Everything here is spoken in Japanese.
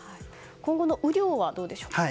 今後の雨量はどうでしょうか。